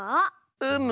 うむ。